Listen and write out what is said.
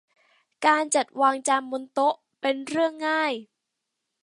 การจัดวางจานบนโต๊ะเป็นเรื่องง่าย